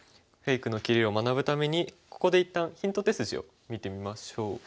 フェイクの切りを学ぶためにここで一旦ヒント手筋を見てみましょう。